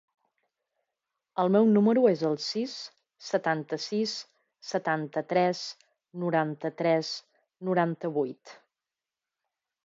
El meu número es el sis, setanta-sis, setanta-tres, noranta-tres, noranta-vuit.